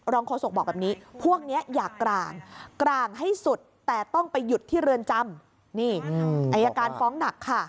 โฆษกบอกแบบนี้พวกนี้อยากกลางกลางให้สุดแต่ต้องไปหยุดที่เรือนจำนี่อายการฟ้องหนักค่ะ